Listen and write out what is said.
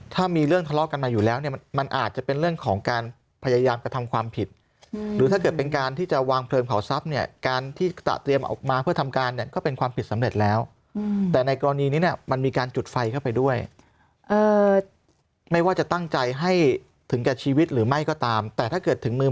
ถ้ามีเรื่องทะเลาะกันมาอยู่แล้วเนี่ยมันอาจจะเป็นเรื่องของการพยายามกระทำความผิดหรือถ้าเกิดเป็นการที่จะวางเพลิงเผาทรัพย์เนี่ยการที่จะเตรียมออกมาเพื่อทำการเนี่ยก็เป็นความผิดสำเร็จแล้วแต่ในกรณีนี้เนี่ยมันมีการจุดไฟเข้าไปด้วยไม่ว่าจะตั้งใจให้ถึงแก่ชีวิตหรือไม่ก็ตามแต่ถ้าเกิดถึงมือ